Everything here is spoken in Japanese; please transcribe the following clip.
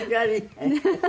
ハハハハ。